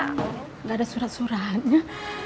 nggak ada surat suratnya